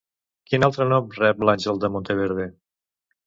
Quin altre nom rep lÁngel de Monteverde?